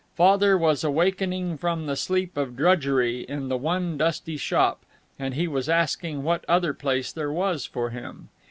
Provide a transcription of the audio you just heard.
Father was awakening from the sleep of drudgery in the one dusty shop, and he was asking what other place there was for him.